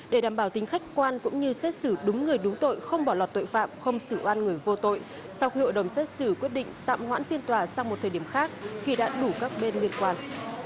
để đảm bảo tính khách quan cũng như xét xử đúng người đúng tội không bỏ lọt tội phạm không xử oan người vô tội sau khi hội đồng xét xử quyết định tạm hoãn phiên tòa sang một thời điểm khác khi đã đủ các bên liên quan